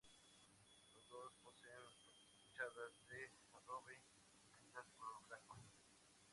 Los dos poseen fachadas de adobe enlucidas de color blanco.